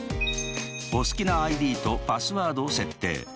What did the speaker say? お好きなＩＤとパスワードを設定。